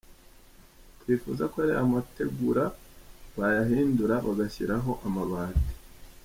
Twifuza ko ariya mategura bayahindura bagashyiraho amabati”.